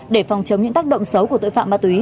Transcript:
để phòng chống những tác động xấu của tội phạm ma túy